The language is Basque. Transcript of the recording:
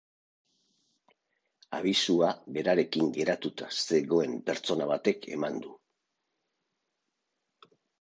Abisua berarekin geratuta zegoen pertsona batek eman du.